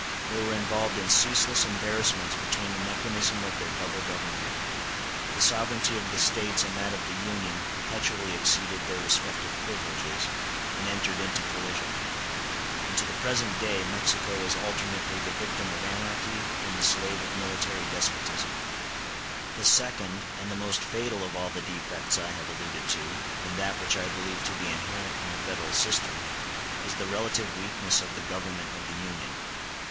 They were involved in ceaseless embarrassments between the mechanism of their double government; the sovereignty of the States and that of the Union perpetually exceeded their respective privileges, and entered into collision; and to the present day Mexico is alternately the victim of anarchy and the slave of military despotism. s [ See the Mexican Constitution of 1824.] The second and the most fatal of all the defects I have alluded to, and that which I believe to be inherent in the federal system, is the relative weakness of the government of the Union.